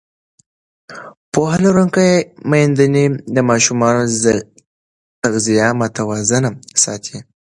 پوهه لرونکې میندې د ماشومانو تغذیه متوازنه ساتي.